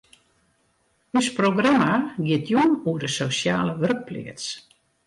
Us programma giet jûn oer de sosjale wurkpleats.